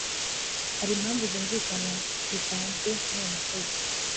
hari impamvu zumvikana zitanzwe n uwo mukozi